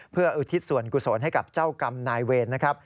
เพื่ออุทิศส่วนกุศลให้กับเจ้ากรรมนายเวรนะครับ